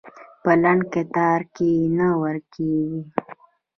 په لنډ کتار کې نه ورکېږي.